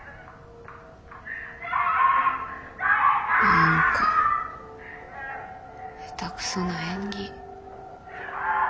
何か下手くそな演技。